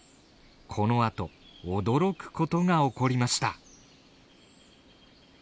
この後驚くことが起こりました。